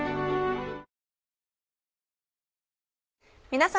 皆様。